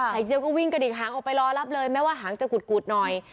เจียวก็วิ่งกระดิกหางออกไปรอรับเลยแม้ว่าหางจะกุดหน่อย